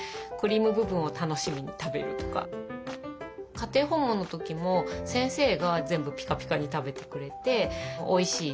家庭訪問の時も先生が全部ピカピカに食べてくれておいしいっていう話をして。